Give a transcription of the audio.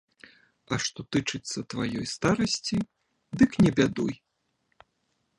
А што тычыцца тваёй старасці, дык не бядуй.